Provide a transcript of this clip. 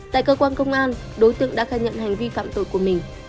tại cơ quan công an đối tượng đã khai nhận hành vi phạm tội của mình